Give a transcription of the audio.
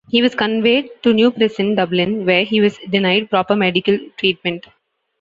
He was conveyed to New Prison, Dublin where he was denied proper medical treatment.